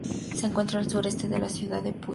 Se encuentra al sureste de la ciudad de Puyo.